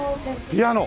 ピアノ！